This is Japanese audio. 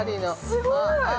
◆すごい。